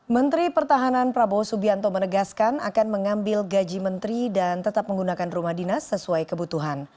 menteri pertahanan prabowo subianto menegaskan akan mengambil gaji menteri dan tetap menggunakan rumah dinas sesuai kebutuhan